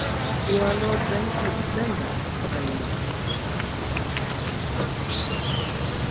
"You are Lord Brentford's member; are you not?" asked Madame Max Goesler.